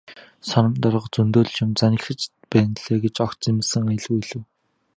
"Соном дарга зөндөө л юм захиж байна билээ" гэж огт зэмлэсэн аялгагүй хэлэв.